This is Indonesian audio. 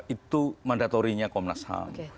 itu mandatorinya komnas ham